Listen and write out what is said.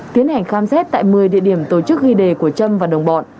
tiến hành khám xét tại một mươi địa điểm tổ chức ghi đề của trâm và đồng bọn